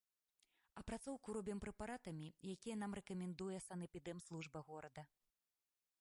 Апрацоўку робім прэпаратамі, якія нам рэкамендуе санэпідэмслужба горада.